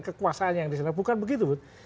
kekuasaan yang disana bukan begitu bu